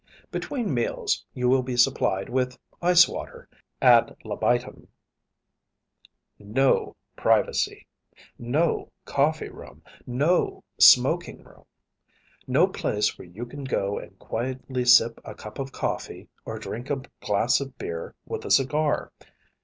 Between meals you will be supplied with ice water ad libitum. No privacy. No coffee room, no smoking room. No place where you can go and quietly sip a cup of coffee or drink a glass of beer with a cigar.